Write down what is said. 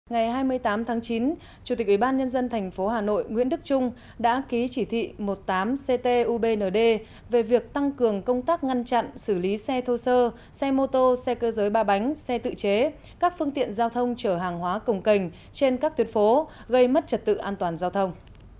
ngày hai mươi tám tháng chín chủ tịch ubnd tp hà nội nguyễn đức trung đã ký chỉ thị một mươi tám ctubnd về việc tăng cường công tác ngăn chặn xử lý xe thô sơ xe mô tô xe cơ giới ba bánh xe tự chế các phương tiện giao thông chở hàng hóa cồng cành trên các tuyến phố gây mất trật tự an toàn giao thông